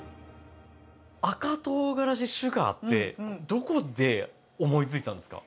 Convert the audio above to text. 赤とうがらしシュガーってどこで思いついたんですか？